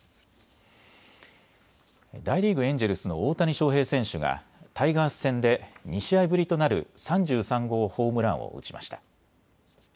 大リーグ、エンジェルスの大谷翔平選手がタイガース戦で２試合ぶりとなる３３号ホームランを打ちました。